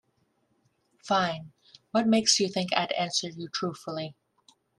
Fine, what makes you think I'd answer you truthfully?